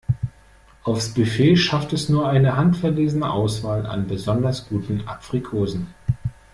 Aufs Buffet schafft es nur eine handverlesene Auswahl an besonders guten Aprikosen.